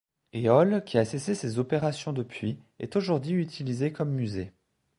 Éole, qui a cessé ses opérations depuis, est aujourd’hui utilisée comme musée.